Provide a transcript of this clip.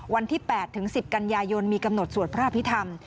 วันที่๘ถึง๑๐กันยายนมีกำหนดสวดพระอภิษฐรรม